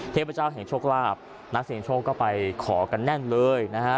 เทพเจ้าแห่งโชคลาภนักเสียงโชคก็ไปขอกันแน่นเลยนะฮะ